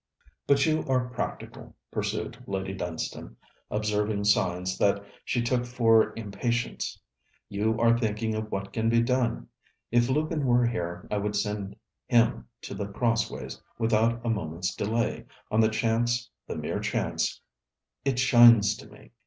'But you are practical,' pursued Lady Dunstane, observing signs that she took for impatience. 'You are thinking of what can be done. If Lukin were here I would send him to The Crossways without a moment's delay, on the chance, the mere chance: it shines to me!